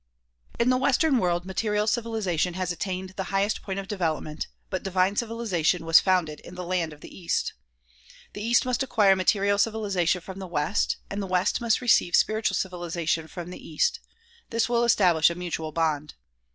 In the western world material civilization has attained the highest point of development but divine civilization was founded in'the land of the east. The east must acquire material civilization from the west and the west must receive spiritual civilization from the east. This will establish a mutual bond.